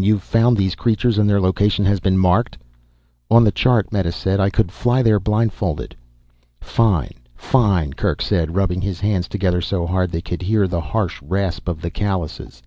"You've found these creatures and their location has been marked." "On the chart," Meta said, "I could fly there blindfolded." "Fine, fine," Kerk said, rubbing his hands together so hard they could hear the harsh rasp of the callouses.